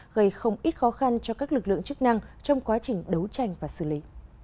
gây không ít khó khăn cho các lực lượng chức năng trong quá trình đấu tranh và xử lý